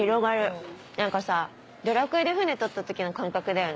何かさ『ドラクエ』で船取った時の感覚だよね。